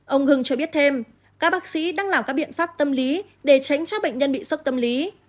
ông hưng cho biết thêm các bác sĩ đang làm các biện pháp tâm lý để tránh cho bệnh nhân bị sốc tâm lý